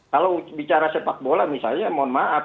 kalau bicara sepak bola misalnya mohon maaf